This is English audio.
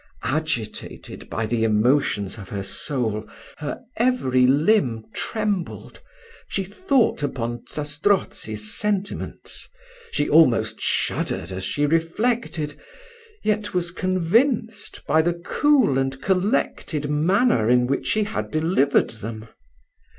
Agitated by the emotions of her soul, her every limb trembled she thought upon Zastrozzi's sentiments, she almost shuddered as she reflected; yet was convinced, by the cool and collected manner in which he had delivered them.